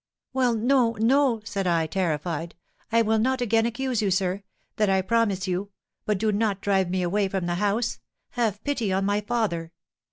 'Well, no, no!' said I, terrified; 'I will not again accuse you, sir; that I promise you; but do not drive me away from the house. Have pity on my father.